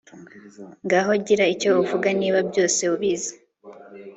ngaho gira icyo uvuga, niba byose ubizi